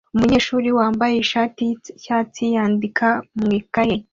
Umunyeshuri wambaye ishati yicyatsi yandika mu ikaye